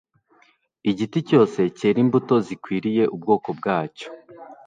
igiti cyose cyere imbuto zikwiriye ubwoko bwacyo